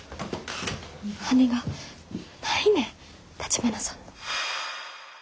羽がないねん橘さんの。